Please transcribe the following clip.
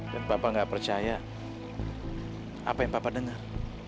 dan papa gak percaya apa yang papa dengar